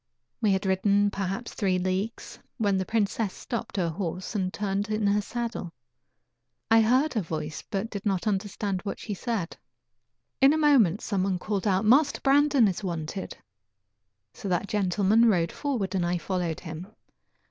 We had ridden perhaps three leagues, when the princess stopped her horse and turned in her saddle. I heard her voice, but did not understand what she said. In a moment some one called out: "Master Brandon is wanted." So that gentleman rode forward, and I followed him.